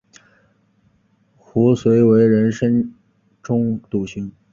壶遂为人深中笃行。